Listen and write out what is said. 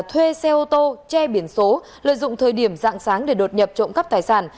thuê xe ô tô che biển số lợi dụng thời điểm dạng sáng để đột nhập trộm cắp tài sản